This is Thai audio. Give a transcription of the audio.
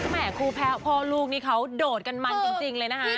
แม่คู่แพ้พ่อลูกนี่เขาโดดกันมันจริงเลยนะคะ